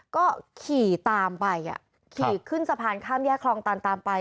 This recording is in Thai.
ก็ขี่ตามไปขี่ขึ้นสะพานค่ามย่าคลองตานไป